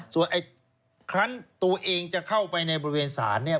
ส่วนไอ้ครั้งตัวเองจะเข้าไปในบริเวณศาลเนี่ย